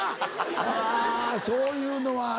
あぁそういうのはある。